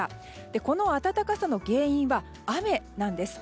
この暖かさの原因は雨なんです。